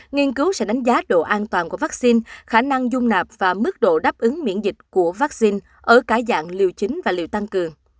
nghiên cứu sẽ đánh giá độ an toàn của vắc xin khả năng dung nạp và mức độ đáp ứng miễn dịch của vắc xin ở cả dạng liều chính và liều tăng cường